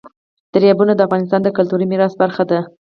دریابونه د افغانستان د کلتوري میراث برخه ده.